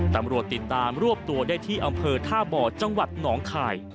ตำรวจติดตามรวบตัวได้ที่อำเภอท่าบ่อจังหวัดหนองคาย